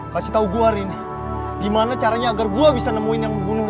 kasih tau gue hari ini gimana caranya agar gue bisa nemuin yang membunuh reni